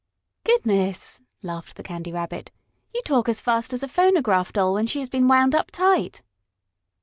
"Goodness!" laughed the Candy Rabbit. "You talk as fast as a phonograph Doll when she has been wound up tight."